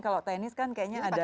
kalau teknis kan kayaknya ada